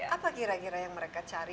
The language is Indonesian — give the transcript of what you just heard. apa kira kira yang mereka cari